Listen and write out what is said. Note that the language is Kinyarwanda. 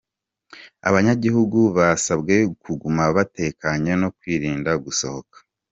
Abanyagihugu basabwe kuguma batekanye no kwirinda gusohoka.